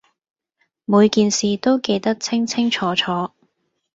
每件事都記得清清楚楚